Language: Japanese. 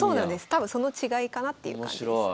多分その違いかなっていう感じです。